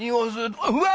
うわ！